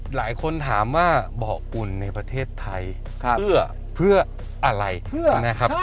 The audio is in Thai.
หลายคนถามว่าเบาะอุ่นในประเทศไทยเพื่ออะไรนะครับ